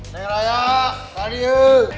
neng raya radio